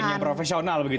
ada yang profesional begitu ya